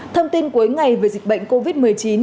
thông tin cuối ngày về dịch bệnh covid một mươi chín